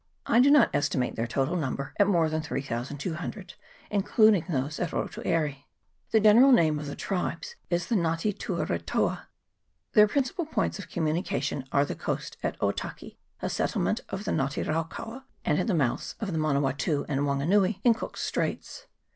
I do not estimate their total number at CHAP. XXIV.] LAKE TAUPO. 361 more than 3200, including those at Rotu Aire. The general name of the tribes is the Nga te tua retoa. Their principal points of communication are the coast at Otaki, a settlement of the Nga te rau kaua, and at the mouths of the Manawatu and Wanganui, in Cook's Straits.